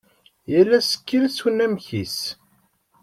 Yal asekkil s unamek-is.